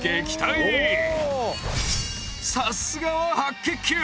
さすがは白血球！